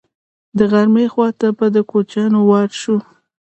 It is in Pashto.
د غرمې خوا ته به د کوچیانو وار شو.